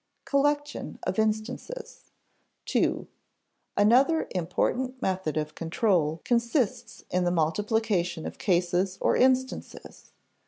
[Sidenote: Collection of instances] (2) Another important method of control consists in the multiplication of cases or instances.